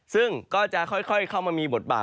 ซึ่งก็จะค่อยเข้ามามีบทบาท